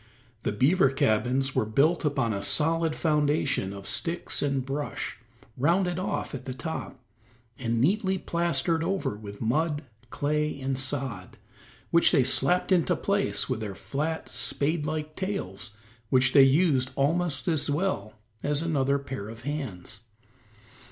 The beaver cabins were built upon a solid foundation of sticks and brush, rounded off at the top, and neatly plastered over with mud, clay and sod, which they slapped into place with their flat, spade like tails, which they use almost as well as another pair of hands.